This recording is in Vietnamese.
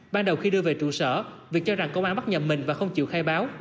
ban đầu khi đưa về trụ sở việc cho rằng công an bắt nhà mình và không chịu khai báo